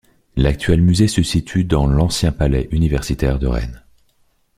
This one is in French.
L'actuel musée se situe dans l'ancien palais universitaire de Rennes.